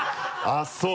あぁそう？